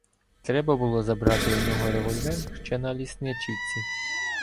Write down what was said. Треба було забрати у нього револьвер ще на лісничівці.